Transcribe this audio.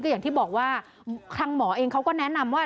อย่างที่บอกว่าทางหมอเองเขาก็แนะนำว่า